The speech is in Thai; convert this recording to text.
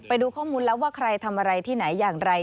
ไปดูข้อมูลแล้วว่าใครทำอะไรที่ไหนอย่างไร